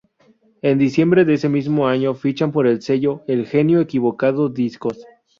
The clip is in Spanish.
En diciembre de ese mismo año fichan por el sello "El Genio Equivocado Discos".